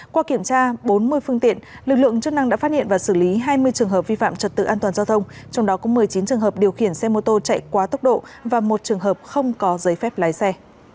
qua kiểm tra bốn mươi phương tiện lực lượng chức năng đã phát hiện và xử lý hai mươi trường hợp vi phạm trật tự an toàn giao thông trong đó có một mươi chín trường hợp điều khiển xe mô tô chạy quá tốc độ và một trường hợp không có giấy phép lái xe